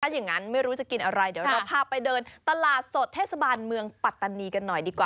อย่างนั้นไม่รู้จะกินอะไรเดี๋ยวเราพาไปเดินตลาดสดเทศบาลเมืองปัตตานีกันหน่อยดีกว่า